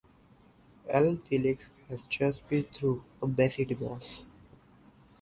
Allan Felix has just been through a messy divorce.